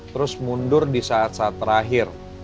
terus mundur di saat saat terakhir